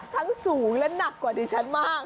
ทั้งสูงและหนักกว่าดิฉันมากนะคะ